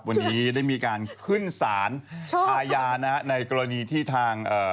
วันนี้ได้มีการขึ้นสารใช่อาญานะฮะในกรณีที่ทางเอ่อ